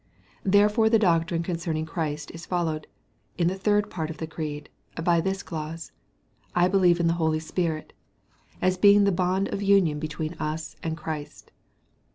Therefore the doctrine concerning Christ is followed, in the third part of the Creed, by this clause, "I believe in the Holy Spirit," as being the bond of union between us and Christ.